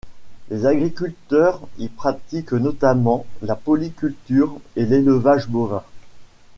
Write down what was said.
Les agriculteurs y pratiquent notamment la polyculture et l'élevage bovin.